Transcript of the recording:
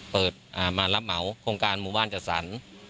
เปิดมารับเหมาโครงการหมู่บ้านจัดสรร